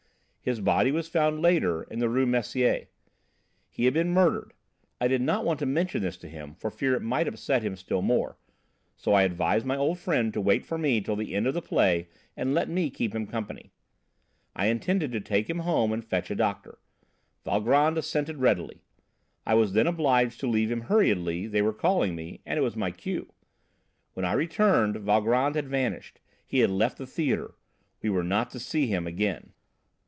His body was found later in the Rue Messier. He had been murdered. I did not want to mention this to him for fear it might upset him still more, so I advised my old friend to wait for me till the end of the play and let me keep him company. I intended to take him home and fetch a doctor. Valgrand assented readily. I was then obliged to leave him hurriedly: they were calling me it was my cue. When I returned Valgrand had vanished: he had left the theatre. We were not to see him again!"